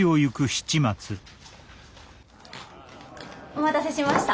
お待たせしました。